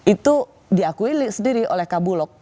itu diakui sendiri oleh kabulok